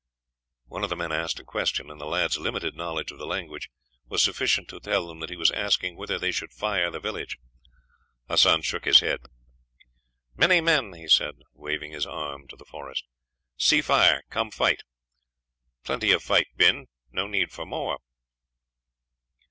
One of the men asked a question, and the lads' limited knowledge of the language was sufficient to tell them that he was asking whether they should fire the village. Hassan shook his head. "Many men," he said, waving his arm to the forest, "see fire; come fight. Plenty of fight been; no need for more."